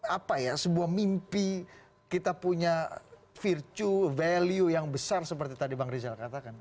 apa ya sebuah mimpi kita punya virtue value yang besar seperti tadi bang rizal katakan